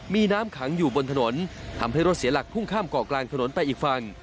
มีน้ำขังอยู่บนถนนทำให้รถเสียหลักพุ่งข้ามเกาะกลางถนนไปอีกฝั่ง